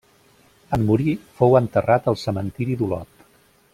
En morir, fou enterrat al Cementiri d'Olot.